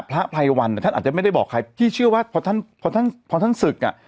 พระไพรวันท่านอาจจะไม่ได้บอกใครพี่เชื่อว่าพอท่านพอท่านพอท่านศึกอ่ะ